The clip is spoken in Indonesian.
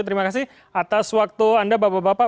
terima kasih atas waktu anda bapak bapak